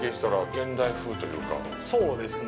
そうですね。